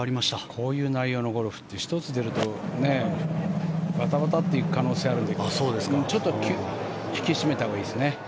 こういう内容のゴルフって１つ出るとガタガタっと行く可能性があるのでちょっと引き締めたほうがいいですね。